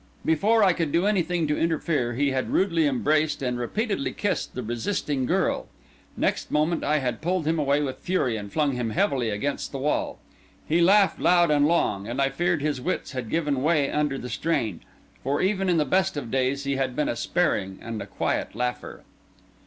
Before I could do anything to interfere, he had rudely embraced and repeatedly kissed the resisting girl. Next moment I had pulled him away with fury, and flung him heavily against the wall. He laughed loud and long, and I feared his wits had given way under the strain; for even in the best of days he had been a sparing and a quiet laugher.